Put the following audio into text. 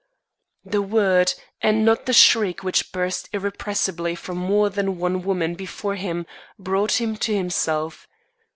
The word, and not the shriek which burst irrepressibly from more than one woman before him, brought him to himself.